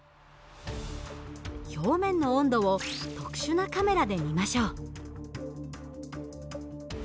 表面の温度を特殊なカメラで見ましょう。